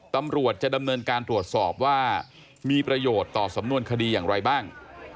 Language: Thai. ตำรวจจะดำเนินการตรวจสอบว่ามีประโยชน์ต่อสำนวนคดีอย่างไรบ้าง